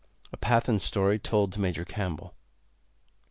[A Pathan story told to Major Campbell.